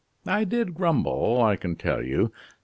I did grumble, I can tell you.